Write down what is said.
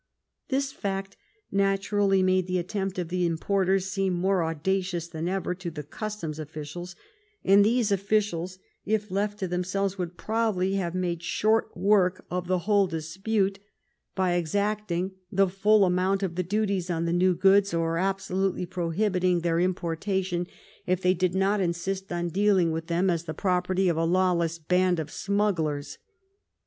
This fact naturally made the attempt of the importers seem more audacious than ever to the customs officials, and these officials, if left to themselves, would probably have made short work of the whole dispute by exacting the full amount 274 FIRST PARLIAMENT OF THE UNION of the duties on the new goods, or absolutely prohibiting their importation, if they did not insist on dealing with them as the property of a lawless band of smugglers.